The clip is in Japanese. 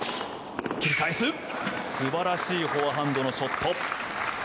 素晴らしいフォアハンドのショット。